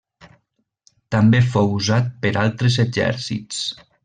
També fou usat per altres exèrcits.